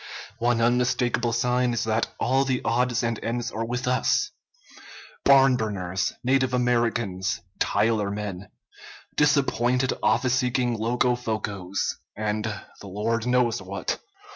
One unmistakable sign is that all the odds and ends are with us, Barnburners, native Americans, Tyler men, disappointed office seeking Loco focos, and the Lord knows what.